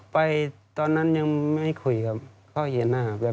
ตอนนั้นยังไม่คุยกับพ่อเย็นนะครับ